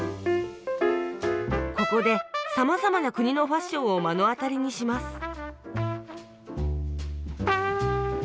ここでさまざまな国のファッションを目の当たりにします